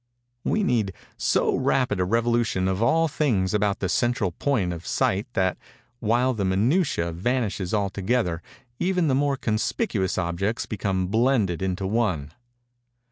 We need so rapid a revolution of all things about the central point of sight that, while the minutiæ vanish altogether, even the more conspicuous objects become blended into one.